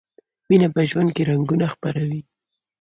مینه په ژوند کې رنګونه خپروي.